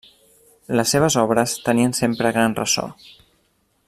Les seves obres tenien sempre gran ressò.